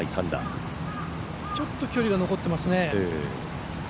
ちょっと距離が残っていますね。